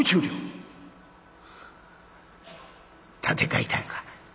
「立て替えたんか？」。